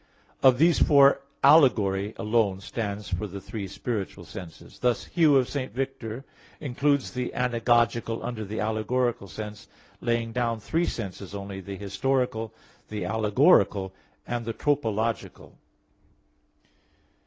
Of these four, allegory alone stands for the three spiritual senses. Thus Hugh of St. Victor (Sacram. iv, 4 Prolog.) includes the anagogical under the allegorical sense, laying down three senses only the historical, the allegorical, and the tropological.